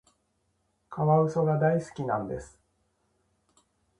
カワウソが大好きなんです。